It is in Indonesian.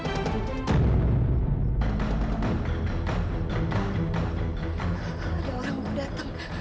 ada orang mau datang